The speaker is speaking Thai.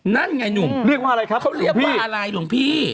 นั่นไงหนุ่มเรียกว่าอะไรครับเขาเรียกว่าอะไรหลวงพี่